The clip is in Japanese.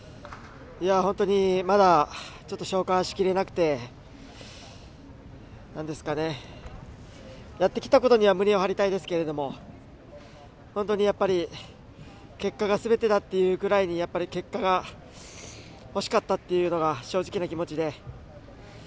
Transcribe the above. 本当にまだちょっと消化し切れなくてやってきたことには胸を張りたいですけど本当に結果がすべてだというくらいに結果がほしかったというのが正直な気持ちで。